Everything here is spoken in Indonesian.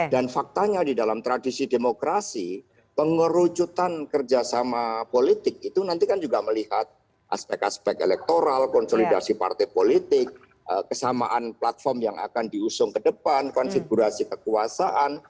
faktanya di dalam tradisi demokrasi pengerucutan kerjasama politik itu nanti kan juga melihat aspek aspek elektoral konsolidasi partai politik kesamaan platform yang akan diusung ke depan konfigurasi kekuasaan